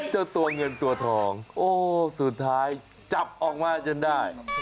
เจ้าตัวเงินตัวทองโอ้สุดท้ายจับออกมาจนได้